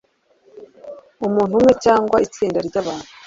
umuntu umwe cyangwa itsinda ry abantu